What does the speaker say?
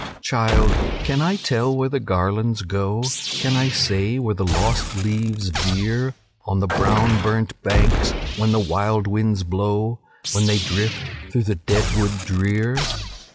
"Child! can I tell where the garlands go? Can I say where the lost leaves veer On the brown burnt banks, when the wild winds blow, When they drift through the dead wood drear?